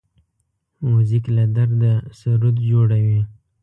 موزیک له درده سرود جوړوي.